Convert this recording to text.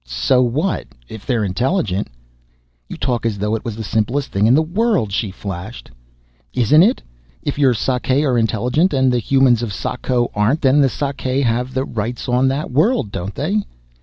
"So what? If they're intelligent " "You talk as though it was the simplest thing in the world," she flashed. "Isn't it? If your Sakae are intelligent and the humans of Sako aren't, then the Sakae have the rights on that world, don't they?"